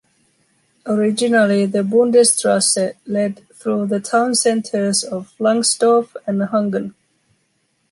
Originally, the Bundesstraße led through the town centers of Langsdorf and Hungen.